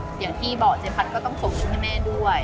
อย่างที่เบาะเจภัทรก็ต้องขอบคุณให้แม่ด้วย